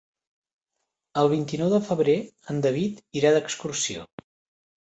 El vint-i-nou de febrer en David irà d'excursió.